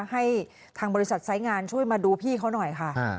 ให้ทางบริษัทไซส์งานช่วยมาดูพี่เขาหน่อยค่ะ